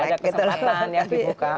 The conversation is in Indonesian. ada kesempatan yang dibuka